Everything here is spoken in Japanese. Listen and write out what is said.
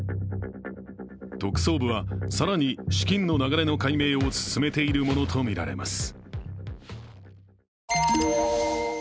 特捜部は更に資金の流れの解明を進めているものとみられます。